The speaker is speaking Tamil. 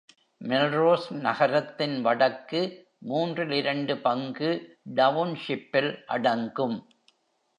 மெல்ரோஸ் நகரத்தின் வடக்கு மூன்றில் இரண்டு பங்கு டவுன்ஷிப்பில் அடங்கும்.